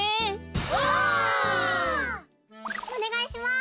オ！おねがいします。